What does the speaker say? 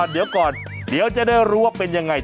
เดี๋ยวก่อนเดี๋ยวจะได้รู้ว่าเป็นยังไง